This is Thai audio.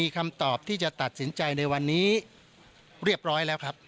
คำตอบที่จะตัดสินใจในวันนี้เรียบร้อยแล้วครับ